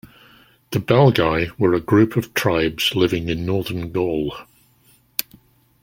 The Belgae were a group of tribes living in northern Gaul.